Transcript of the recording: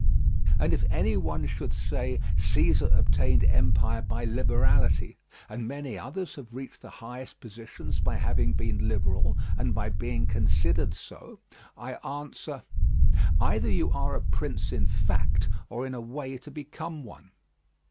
And if any one should say: Caesar obtained empire by liberality, and many others have reached the highest positions by having been liberal, and by being considered so, I answer: Either you are a prince in fact, or in a way to become one.